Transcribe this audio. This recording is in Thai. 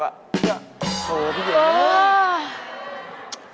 เฮือโอ้โฮพี่เย๋น